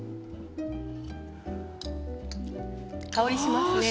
香りしますね。